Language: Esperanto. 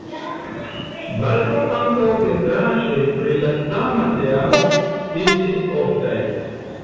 Baldaŭ ankaŭ pentraĵoj pri la sama temo iĝis oftaj.